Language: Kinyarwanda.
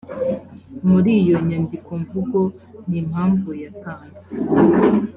muri iyo nyandikomvugo n’impamvu yatanze